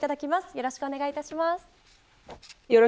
よろしくお願いします。